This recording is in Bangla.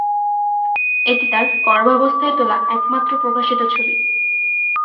এটি তার গর্ভাবস্থায় তোলা একমাত্র প্রকাশিত ছবি।